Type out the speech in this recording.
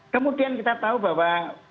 kemudian kita tahu bahwa